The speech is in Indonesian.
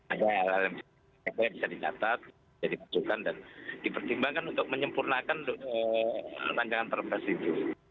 ada hal hal yang bisa dikatat bisa dipacukan dan dipertimbangkan untuk menyempurnakan lancaran tersebut